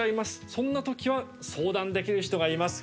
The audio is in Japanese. そんなときは相談できる人がいます。